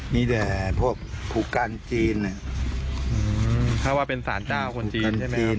มีแต่พวกครูกันจีนถ้าว่าเป็นสารเจ้าคนจีนใช่ไหม